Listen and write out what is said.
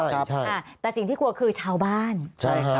ใช่อ่าแต่สิ่งที่กลัวคือชาวบ้านใช่ค่ะ